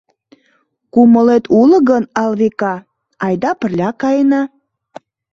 Кумылет уло гын, Алвика, айда пырля каена?